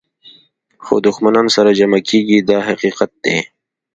خو دښمنان سره جمع کېږي دا حقیقت دی.